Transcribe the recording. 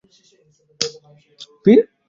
কী এমন করলাম?